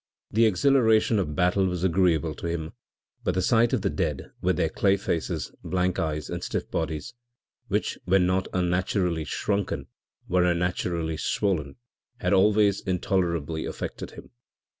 The exhilaration of battle was agreeable to him, but the sight of the dead, with their clay faces, blank eyes and stiff bodies, which when not unnaturally shrunken were unnaturally swollen, had always intolerably affected him.